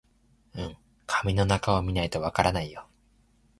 うん、紙の中を見ないとわからないよ